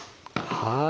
はい。